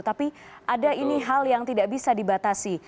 tapi ada ini hal yang tidak bisa dibatasi